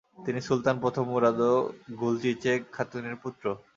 তিনি সুলতান প্রথম মুরাদ ও গুলচিচেক খাতুনের পুত্র।